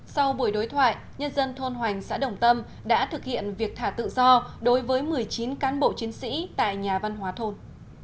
sau buổi đối thoại nhân dân thôn hoành xã đồng tâm đã thực hiện việc thả tự do đối với một mươi chín cán bộ chiến sĩ tại nhà văn hóa thôn